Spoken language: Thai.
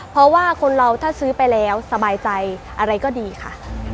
เพราะว่าคนเราถ้าซื้อไปแล้วสบายใจอะไรก็ดีค่ะ